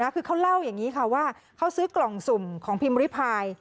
คือเขาเล่าอย่างนี้ค่ะว่าเขาซื้อกล่องสุ่มของพิมพ์ริพาย